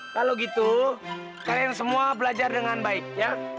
kalau gitu kalian semua belajar dengan baik ya